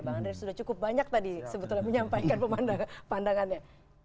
bang andre sudah cukup banyak tadi sebetulnya menyampaikan pemandang pandangannya